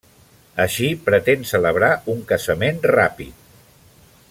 Així pretén celebrar un casament ràpid.